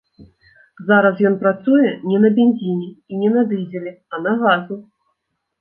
Зараз ён працуе не на бензіне і не на дызелі, а на газу.